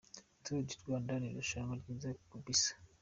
Tours du Rwanda ni irushanwa ryiza kabisa.